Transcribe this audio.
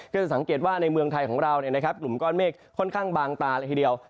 จะสังเกตว่าในเมืองไทยของเรากลุ่มก้อนเมฆค่อนข้างบางตาเลยทีเดียว